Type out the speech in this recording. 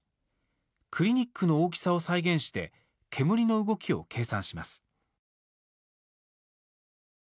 クリニックの大きさを再現して煙の動きを計算します。